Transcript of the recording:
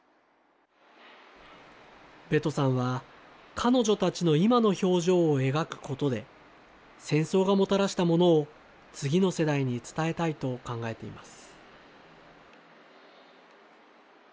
ベトさんは、彼女たちの今の表情を描くことで、戦争がもたらしたものを次の世代に伝えたいと考えています。